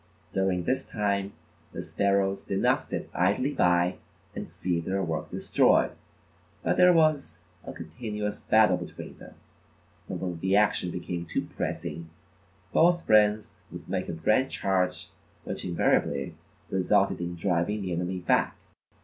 During this time the sparrows did not sit idly by and see their work destroyed, but there was a continuous battle between them, and when the action became too pressing, both Wrens would make a grand charge which invariably resulted in driving the enemy back.